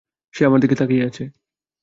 সে আমার দিকে তাকিয়ে আছে।